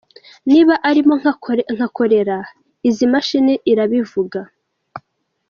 Niba arimo nka Cholera izi mashini irabivuga.